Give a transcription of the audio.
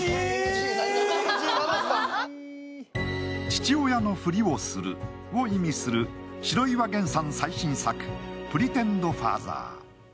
父親のふりをする意味する、白岩玄さん最新作、「プリテンド・ファーザー」。